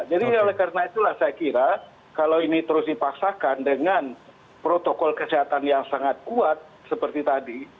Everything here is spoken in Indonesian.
jadi karena itulah saya kira kalau ini terus dipaksakan dengan protokol kesehatan yang sangat kuat seperti tadi